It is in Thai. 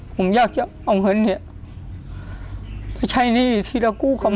ผมอยากจะเอาเงินเนี่ยไปใช้หนี้อยู่ที่แล้วกูกลับมา